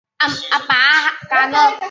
铜将是日本将棋的棋子之一。